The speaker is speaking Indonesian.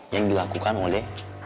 yang dilakukan oleh